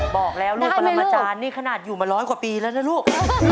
บอกแล้วลูกปรมาจารย์นี่ขนาดอยู่มาร้อยกว่าปีแล้วนะลูก